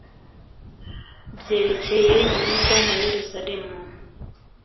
byerekeye Yuda na Yeruzalemu.